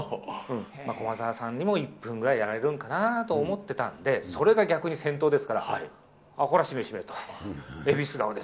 駒澤さんにも１分ぐらいやられるんかなと思ってたんで、それが逆に先頭ですから、これはしめしめと。